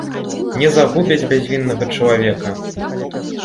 Не загубяць бязвіннага чалавека!